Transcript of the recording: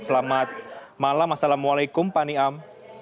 selamat malam assalamualaikum pak niam